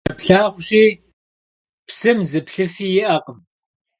Zerıplhağuşi, psım zı plhıfi yi'ekhım.